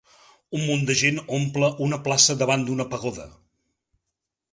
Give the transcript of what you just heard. Un munt de gent omple una plaça davant d'una pagoda.